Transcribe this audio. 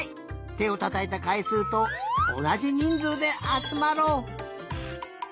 てをたたいたかいすうとおなじにんずうであつまろう。